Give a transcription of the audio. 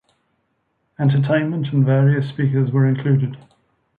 Entertainment and various speakers were included.